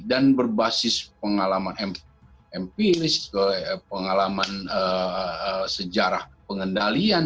dan berbasis pengalaman empiris pengalaman sejarah pengendalian